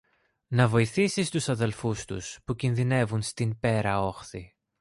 να βοηθήσεις τους αδελφούς τους, που κινδυνεύουν στην πέρα όχθη!